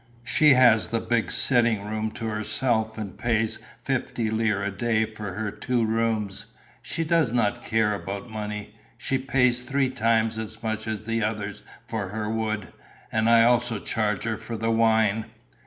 She has the big sitting room to herself and pays fifty lire a day for her two rooms. She does not care about money. She pays three times as much as the others for her wood; and I also charge her for the wine."